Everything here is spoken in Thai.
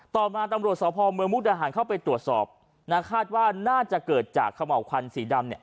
ต่อมาตำรวจสพเมืองมุกดาหารเข้าไปตรวจสอบนะคาดว่าน่าจะเกิดจากเขม่าวควันสีดำเนี่ย